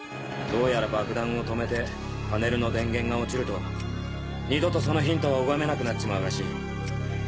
どうやら爆弾を止めてパネルの電源が落ちると二度とそのヒントは拝めなくなっちまうらしい。